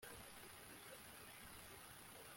ntabwo bitwaye uwabivuze, ntabwo arukuri